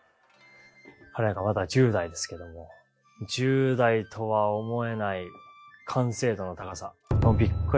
彼なんかまだ１０代ですけども１０代とは思えない完成度の高さ。